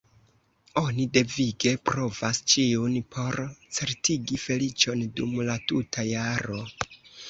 Oni devige provas ĉiun por certigi feliĉon dum la tuta jaro.